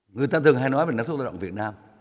người ta thường hay nói về năng suất lao động việt nam